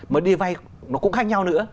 mới đi vay nó cũng khác nhau nữa